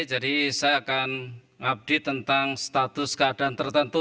jadi saya akan update tentang status keadaan tertentu